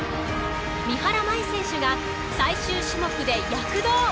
三原舞依選手が最終種目で躍動！